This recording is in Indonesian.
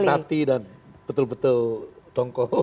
ada yang sakit hati dan betul betul dongkol